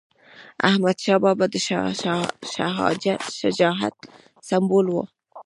احمدشاه بابا د شجاعت سمبول و.